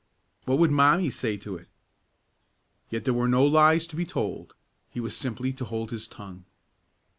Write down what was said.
What would Mommie say to it? Yet there were no lies to be told; he was simply to hold his tongue.